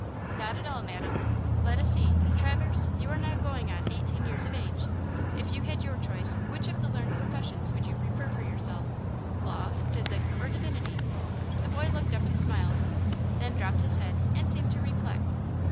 Not at all, madam! Let us see: Traverse, you are now going on eighteen years of age; if you had your choice which of the learned professions would you prefer for yourself law, physic or divinity?" The boy looked up and smiled, then dropped his head and seemed to reflect.